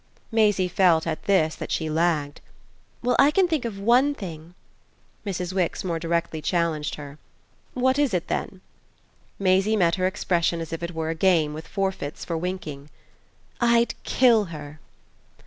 Maisie at this felt that she lagged. "Well, I can think of ONE thing." Mrs. Wix more directly challenged her. "What is it then?" Maisie met her expression as if it were a game with forfeits for winking. "I'd KILL her!"